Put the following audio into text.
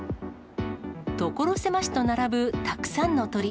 所狭しと並ぶたくさんの鳥。